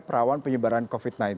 perawan penyebaran covid sembilan belas